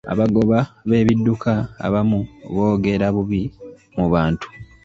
Abagoba b'ebidduka abamu boogera bubi mu bantu.